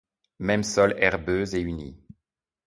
Même sol herbeux et uni.